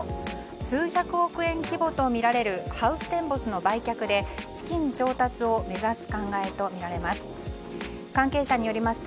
数百億円規模とみられるハウステンボスの売却で資金調達を目指す考えとみられます。